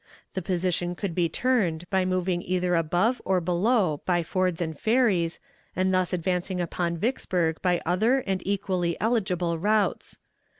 The position could be turned by moving either above or below by fords and ferries, and thus advancing upon Vicksburg by other and equally eligible routes.